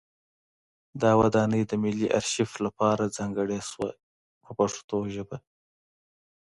دا ودانۍ د ملي ارشیف لپاره ځانګړې شوه په پښتو ژبه.